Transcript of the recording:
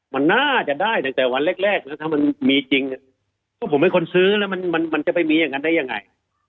มันน่าจะได้ตั้งแต่วันแรกแล้วถ้ามันมีจริงก็ผมเป็นคนซื้อแล้วมันจะไปมีอย่างนั้นได้ยังไง